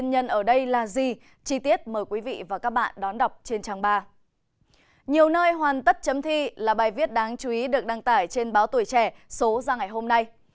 nhiều nơi hoàn tất chấm thi là bài viết đáng chú ý được đăng tải trên báo tuổi trẻ số ra ngày hôm nay